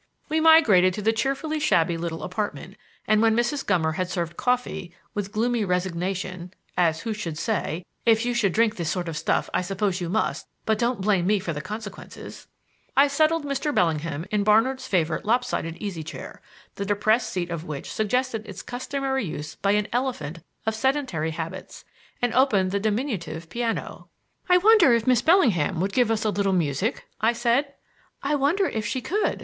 We migrated to the cheerfully shabby little apartment, and, when Mrs. Gummer had served coffee, with gloomy resignation (as who should say: "If you will drink this sort of stuff I suppose you must, but don't blame me for the consequences"), I settled Mr. Bellingham in Barnard's favorite lop sided easy chair the depressed seat of which suggested its customary use by an elephant of sedentary habits and opened the diminutive piano. "I wonder if Miss Bellingham would give us a little music?" I said. "I wonder if she could?"